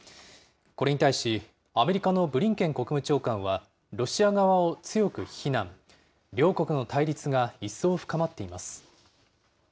これに対し、アメリカのブリンケン国務長官はロシア側を強く非難、両国の対立が一層深まっています。